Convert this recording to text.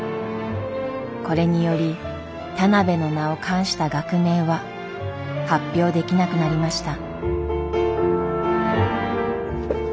これにより田邊の名を冠した学名は発表できなくなりました。